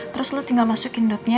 terus lo tinggal masukin dotnya